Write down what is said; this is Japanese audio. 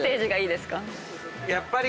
やっぱり。